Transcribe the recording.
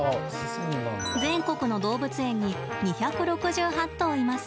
全国の動物園に２６８頭います。